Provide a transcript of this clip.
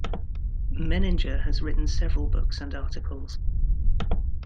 Menninger has written several books and articles.